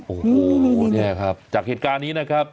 โอ้โหเนี่ยครับจากเหตุการณ์นี้นะครับ